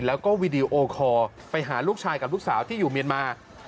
แล้วก็วีดีโอคอลไปหาลูกชายกับลูกสาวที่อยู่เมียนมา